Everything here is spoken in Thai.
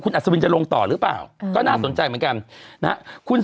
อัศวินจะลงต่อหรือเปล่าก็น่าสนใจเหมือนกันนะฮะ